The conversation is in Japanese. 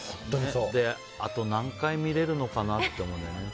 あと何回見れるのかなって思うんだよね。